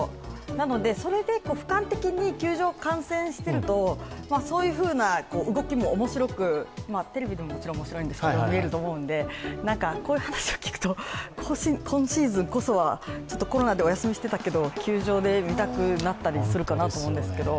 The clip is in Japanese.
なのでふかん的に球場を観戦してるとそういうふうな動きも面白く、テレビでももちろん面白いんですが見られると思うんでこういう話を聞くと、今シーズンこそはちょっとコロナでお休みしてたけど球場で見たくなってたりするんですけど。